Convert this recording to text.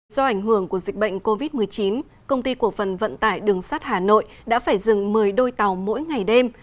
do ảnh hưởng của dịch bệnh covid một mươi chín công ty cổ phần vận tải đường sắt hà nội đã phải dừng một mươi đôi tàu mỗi ngày đêm